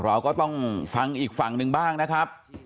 เราก็ต้องฟังอีกฝั่งหนึ่งบ้างนะครับ